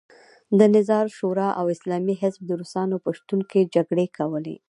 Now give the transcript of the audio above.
د نظار شورا او اسلامي حزب د روسانو په شتون کې جګړې کولې.